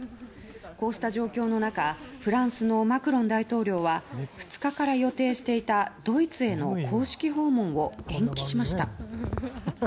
こうした状況の中フランスのマクロン大統領は２日から予定していたドイツへの公式訪問を延期しました。